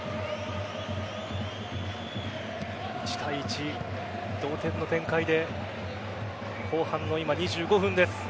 １対１、同点の展開で後半の２５分です。